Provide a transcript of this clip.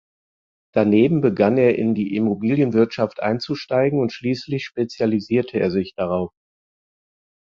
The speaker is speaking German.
Daneben begann er in die Immobilienwirtschaft einzusteigen und schließlich spezialisierte er sich darauf.